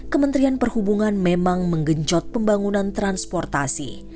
kementerian perhubungan memang menggencot pembangunan transportasi